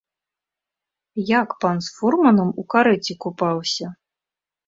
Як пан з фурманом у карэце купаўся?